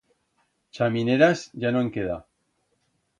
Chamineras, ya no'n queda.